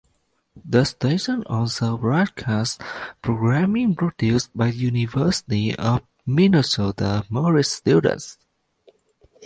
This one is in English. The station also broadcasts programming produced by University of Minnesota Morris students.